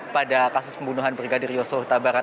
pada kasus pembunuhan brigadir yosua utabarat